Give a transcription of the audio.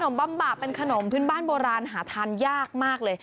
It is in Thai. บำบะเป็นขนมพื้นบ้านโบราณหาทานยากมากเลย